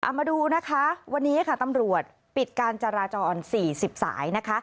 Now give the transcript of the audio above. มาดูนะคะวันนี้ค่ะตำรวจปิดการจราจร๔๐สายนะคะ